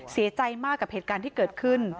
เสียใจมากกับเหตุการณ์ที่เกิดขึ้น